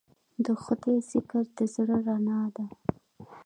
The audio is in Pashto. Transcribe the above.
د خدای ذکر د زړه رڼا ده.